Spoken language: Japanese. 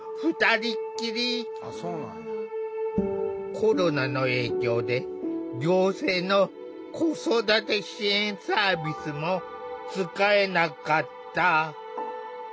コロナの影響で行政の子育て支援サービスも使えなかった。